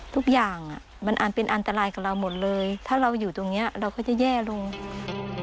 ชาวบ้านพาทีมข่าวไทยรัดทีวีชาวบ้านพาทีมข่าวไทยรัดทีวี